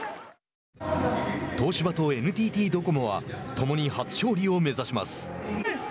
東芝とＮＴＴドコモはともに初勝利を目指します。